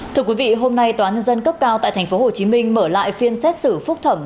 thưa quý vị hôm nay tòa án nhân dân cấp cao tại tp hcm mở lại phiên xét xử phúc thẩm